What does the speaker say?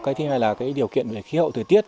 cái thứ hai là cái điều kiện về khí hậu thời tiết